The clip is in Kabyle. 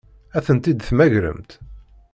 Ad tent-id-temmagremt?